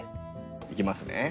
いきますね。